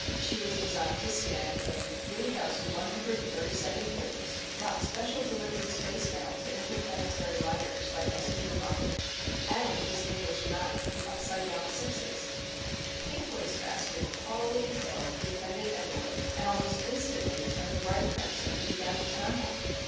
She was designed to scan in 3,137 codes, route special delivery spacemail to interplanetary liners by messenger rocket, and distinguish 9s from upside down 6s. Pink Wastebasket haughtily inhaled the offending envelope and almost instantly turned a bright crimson and began to tremble.